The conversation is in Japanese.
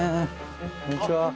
こんにちは。